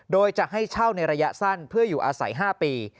โดยจะให้เช่าในระยะสั้นเพื่ออยู่อาศัย๕ปี